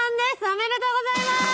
おめでとうございます！